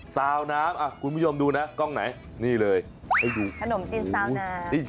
สาวน้ำคุณผู้ชมดูนะกล้องไหนนี่เลยให้ดูขนมจีนซาวน้ำ